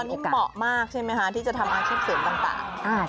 อันนี้เหมาะมากใช่ไหมคะที่จะทำอาชีพเสริมต่าง